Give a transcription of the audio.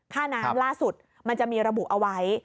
ค่าน้ำล่าสุดมันจะมีระบุเอาไว้